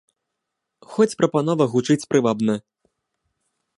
Хоць прапанова гучыць прывабна.